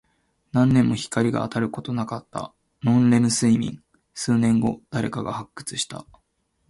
何年も光が当たることなかった。ノンレム睡眠。数年後、誰かが発掘した。